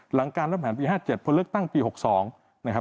หลังการรัฐผ่านปี๕๗พลเล็กตั้งปี๖๒